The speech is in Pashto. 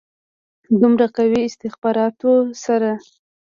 دومره قوي استخباراتو سره.